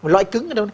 lõi cứng ở đâu